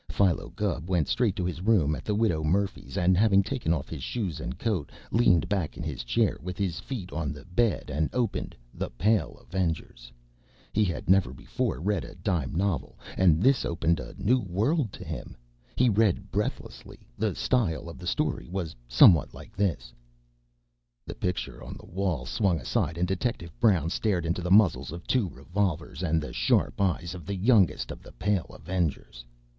Philo Gubb went straight to his room at the Widow Murphy's, and having taken off his shoes and coat, leaned back in his chair with his feet on the bed, and opened "The Pale Avengers." He had never before read a dime novel, and this opened a new world to him. He read breathlessly. The style of the story was somewhat like this: The picture on the wall swung aside and Detective Brown stared into the muzzles of two revolvers and the sharp eyes of the youngest of the Pale Avengers.